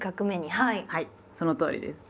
はいそのとおりです。